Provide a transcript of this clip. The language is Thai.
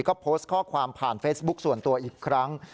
ก็โพสต์ข้อความผ่านเฟซบุ๊คส่วนตัวอีกครั้ง